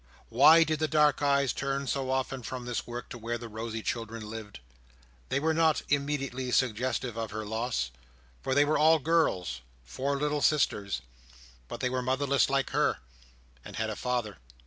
Why did the dark eyes turn so often from this work to where the rosy children lived? They were not immediately suggestive of her loss; for they were all girls: four little sisters. But they were motherless like her—and had a father.